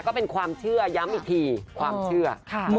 ก็เป็นความเชื่อย้ำอีกทีความเชื่อ